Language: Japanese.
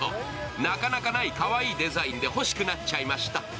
なかなかないかわいいデザインで欲しくなっちゃいました。